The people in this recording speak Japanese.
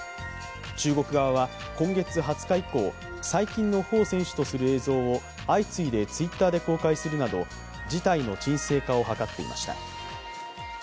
中国側は今月２０日以降、最近の彭選手とする映像を相次いでＴｗｉｔｔｅｒで公開するなど事態の鎮静化を図っていました。